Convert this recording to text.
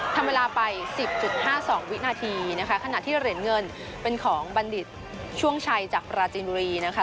ทำเวลาไปสิบจุดห้าสองวินาทีนะคะขณะที่เหรียญเงินเป็นของบัณฑิตช่วงชัยจากปราจีนบุรีนะคะ